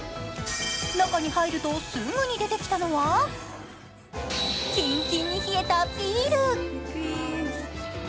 中に入るとすぐに出てきたのはキンキンに冷えたビール。